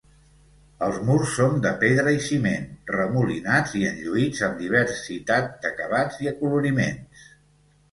Els murs són de pedra i ciment, remolinats i enlluïts amb diversitat d'acabats i acoloriments.